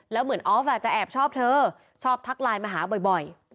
แล้วเหมือนออฟจะแอบชอบเธอชอบทักไลน์มาหาบ่อย